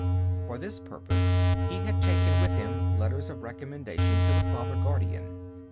For this purpose he had taken with him letters of recommendation to the Father Guardian.